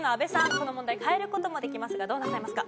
この問題変える事もできますがどうなさいますか？